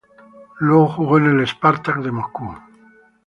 Luego jugó en el Spartak de Moscú.